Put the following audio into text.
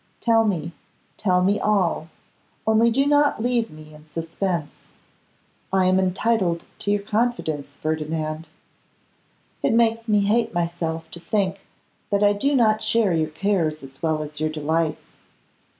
Tell me, tell me all, only do not leave me in suspense. I am entitled to your confidence, Ferdinand. It makes me hate myself to think that I do not share your cares as well as your delights.